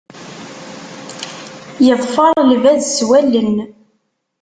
Yeḍfer lbaz s wallen.